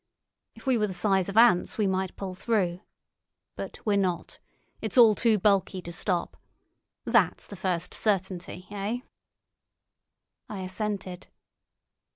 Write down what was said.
If we were the size of ants we might pull through. But we're not. It's all too bulky to stop. That's the first certainty.' Eh?" I assented.